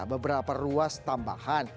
beberapa ruas tambahan